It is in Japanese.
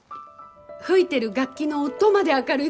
吹いてる楽器の音まで明るい